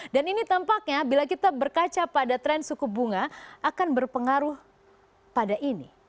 ini tampaknya bila kita berkaca pada tren suku bunga akan berpengaruh pada ini